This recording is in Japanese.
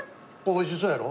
美味しそうやろ。